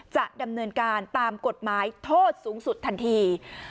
จะดำเนินการตามกฎหมายโทษสูงสุดทันที